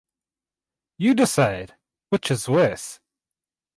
You decide, which is worse.